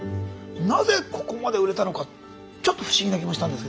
なぜここまで売れたのかちょっと不思議な気もしたんですけども。